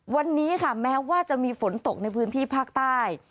วันนี้ค่ะแม้ว่าจะมีฝนตกในพื้นที่ภาคใต้